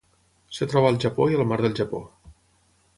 Es troba al Japó i al Mar del Japó.